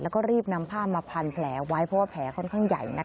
แล้วก็รีบนำผ้ามาพันแผลไว้เพราะว่าแผลค่อนข้างใหญ่